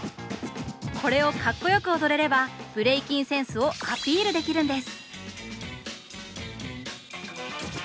これをカッコよく踊れればブレイキンセンスをアピールできるんです！